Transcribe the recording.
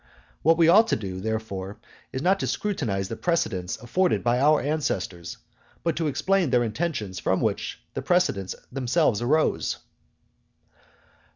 What we ought to do, therefore, is, not to scrutinise the precedents afforded by our ancestors, but to explain their intentions from which the precedents themselves arose.